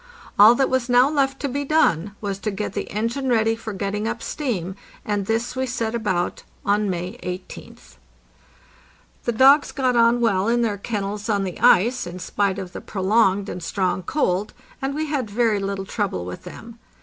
All that was now left to be done was to get the engine ready for getting up steam, and this we set about on May 18th. The dogs got on well in their kennels on the ice, in spite of the prolonged and strong cold, and we had very little trouble with them.